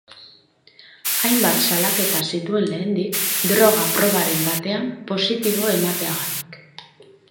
Hainbat salaketa zituen lehendik, droga probaren batean positibo emateagatik.